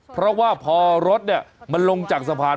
เพราะว่าพอรถมันลงจากสะพาน